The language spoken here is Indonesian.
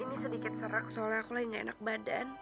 ini sedikit serak soalnya aku lagi gak enak badan